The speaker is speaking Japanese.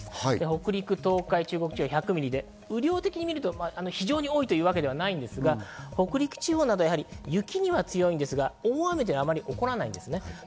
北陸、東海、中国地方は１００ミリで雨量的に見ると非常に多いというわけではないんですが、北陸地方は雪には強いんですが、大雨はあまり起こらないんですね。